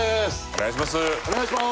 お願いします！